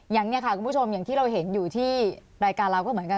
อย่างนี้ค่ะคุณผู้ชมอย่างที่เราเห็นอยู่ที่รายการเราก็เหมือนกัน